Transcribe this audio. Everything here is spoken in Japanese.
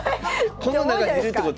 この中にいるってこと？